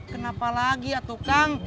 kenapa lagi ya tuh kang